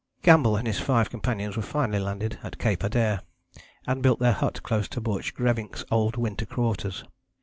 Campbell and his five companions were finally landed at Cape Adare, and built their hut close to Borchgrevinck's old winter quarters.